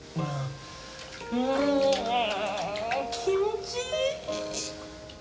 うん気持ちいい！